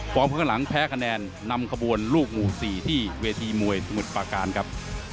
ข้างหลังแพ้คะแนนนำขบวนลูกหมู่๔ที่เวทีมวยสมุทรปาการครับ